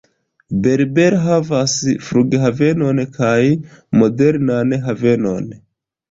Berbera havas flughavenon kaj modernan havenon.